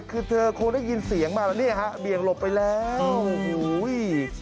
คือเธอคงได้ยินเสียงมาแล้วเนี่ยฮะเบี่ยงหลบไปแล้วโอ้โห